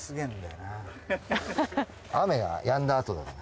雨が止んだあとだから。